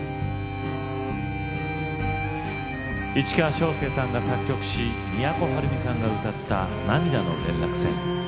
市川昭介さんが作曲し都はるみさんが歌った「涙の連絡船」。